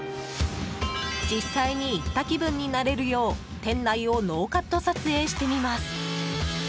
実際に行った気分になれるよう店内をノーカット撮影してみます。